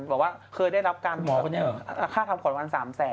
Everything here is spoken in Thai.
บอกว่าเคยได้รับการค่าทำขนวัน๓๐๐๐๐๐